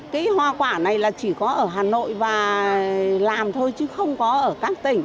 cái hoa quả này là chỉ có ở hà nội và làm thôi chứ không có ở các tỉnh